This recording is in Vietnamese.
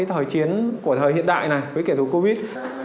thời chiến của thời hiện đại này với kẻ thù covid